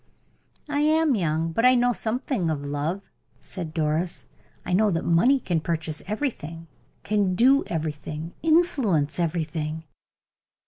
"I am young, but I know something of life," said Doris. "I know that money can purchase everything, can do everything, can influence everything."